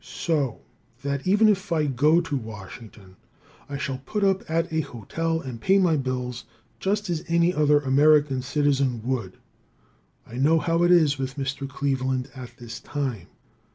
So that even if I go to Washington I shall put up at a hotel and pay my bills just as any other American citizen would. I know how it is with Mr. Cleveland at this time.